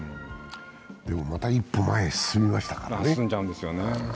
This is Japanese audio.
でもまた一歩前へ進みましたからね。